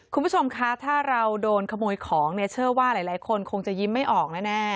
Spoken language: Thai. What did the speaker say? คุณผู้ชมคะถ้าเราโดนขโมยของเนี่ยเชื่อว่าหลายคนคงจะยิ้มไม่ออกแน่